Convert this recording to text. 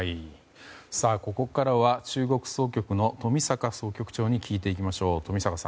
ここからは中国総局の冨坂総局長に聞いていきましょう。